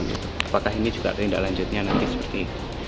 apakah ini juga tindak lanjutnya nanti seperti itu